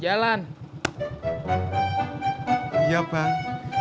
jalan iya bang